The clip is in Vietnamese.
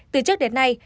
từ trước đến nay